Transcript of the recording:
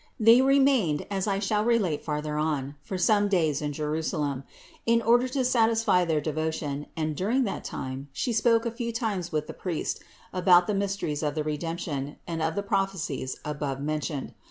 They remained, as I shall relate farther on, for some days in Jerusalem, in order to satisfy their devotion and during that time She spoke a few times with the priest about the mysteries of the Redemption and of the prophecies above mentioned.